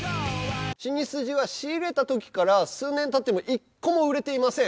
シニスジは仕入れた時から数年経っても１個も売れていません。